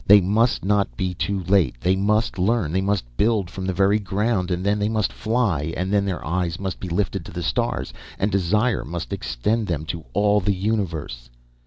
"They must not be too late. They must learn. They must build from the very ground, and then they must fly. And then their eyes must be lifted to the stars, and desire must extend them to all the universe